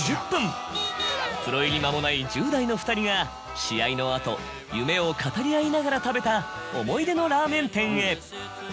プロ入り間もない１０代の２人が試合の後夢を語り合いながら食べた思い出のラーメン店へ。